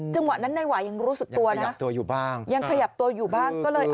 จังหวะนั้นนายหวายังรู้สึกตัวนะยังขยับตัวอยู่บ้างก็เลย